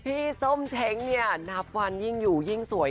ส้มเท้งเนี่ยนับวันยิ่งอยู่ยิ่งสวย